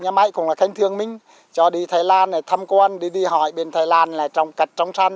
nhà máy cũng là khen thương mình cho đi thái lan thăm quan đi hỏi bên thái lan là trồng cật trồng sắn